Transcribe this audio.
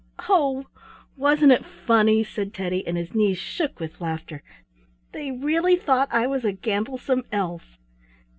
"Oh! wasn't it funny?" said Teddy, and his knees shook with laughter. "They really thought I was a gamblesome elf."